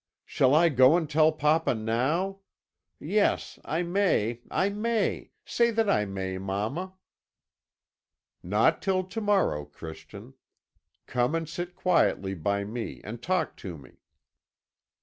'Shall I go and tell papa now? Yes, I may, I may say that I may, mamma!' "'Not till to morrow, Christian. Come and sit quietly by me, and talk to me.'